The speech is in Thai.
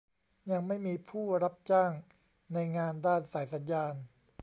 ยังไม่มีผู้รับจ้างในงานด้านสายสัญญาณ